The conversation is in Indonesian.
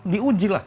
di uji lah